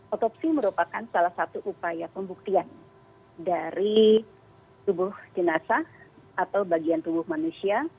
otopsi merupakan salah satu upaya pembuktian dari tubuh jenazah atau bagian tubuh manusia